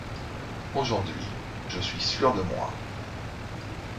Aujourd'hui, je suis sûr de moi.